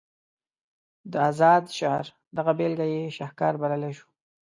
د اذاد شعر دغه بیلګه یې شهکار بللی شو.